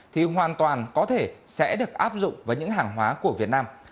thì hoàn toàn có thể sẽ được áp dụng với những hàng hóa của việt nam